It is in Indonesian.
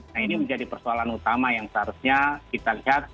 nah ini menjadi persoalan utama yang seharusnya kita lihat